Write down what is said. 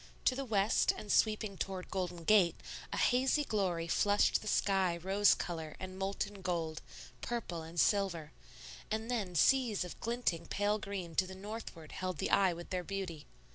To the west and sweeping toward Golden Gate a hazy glory flushed the sky rose color and molten gold, purple and silver; and then seas of glinting pale green to the northward held the eye with their beauty.